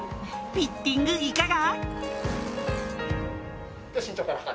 フィッティングいかが？」